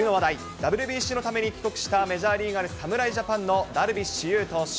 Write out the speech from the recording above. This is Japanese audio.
ＷＢＣのために帰国したメジャーリーガーで侍ジャパンのダルビッシュ有投手。